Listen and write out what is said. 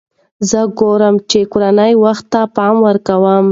زه ګورم چې کورنۍ وخت ته پام کوي.